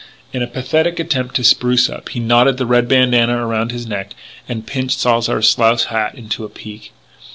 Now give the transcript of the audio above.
In a pathetic attempt to spruce up, he knotted the red bandanna around his neck and pinched Salzar's slouch hat into a peak.